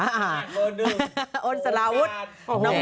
เมินหนึ่งโอ้โฮแม่ง